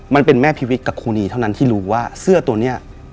มันเป็นแม่พิวิตกับครูนีเท่านั้นที่รู้ว่าเสื้อตัวนี้